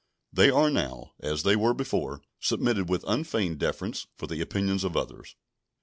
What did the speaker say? They are now, as they were before, submitted with unfeigned deference for the opinions of others.